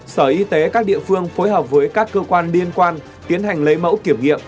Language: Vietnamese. sở y tế các địa phương phối hợp với các cơ quan liên quan tiến hành lấy mẫu kiểm nghiệm